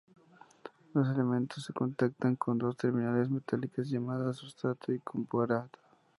Los elementos se contactan con dos terminales metálicas llamadas sustrato y compuerta.